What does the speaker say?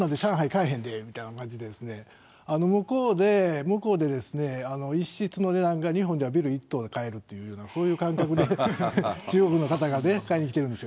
買えへんでみたいな感じでですね、向こうで１室の値段が日本ではビル１棟が買えるっていうようなそういう感覚で、中国の方がね、買いにきてるんですよ。